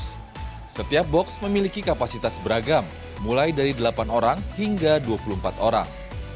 setiap box memiliki kapasitas beragam mulai dari delapan orang hingga dua puluh empat orang